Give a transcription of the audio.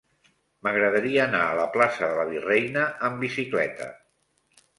M'agradaria anar a la plaça de la Virreina amb bicicleta.